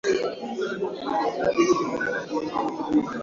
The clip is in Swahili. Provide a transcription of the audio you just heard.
afanya waweke alama za viulizo vichwani mwao